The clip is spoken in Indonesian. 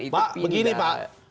pak begini pak